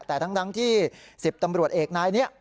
แต่ทั้งที่๑๐ตำรวจเอกนายนี้